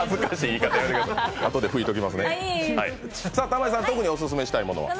玉井さん、特にオススメしたいものは？